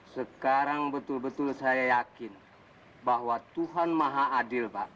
sekarang betul betul saya yakin bahwa tuhan maha adil pak